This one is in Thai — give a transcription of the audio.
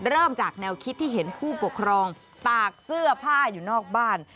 เริ่มจากแนวคิดที่เห็นผู้ปกครองตากเสื้อผ้าอยู่นอกบ้าน